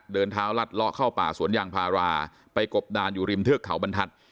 เดินเท้าลัดเลาะเข้าป่าสวนยางพาราไปกบดานอยู่ริมเทือกเขาบรรทัศน์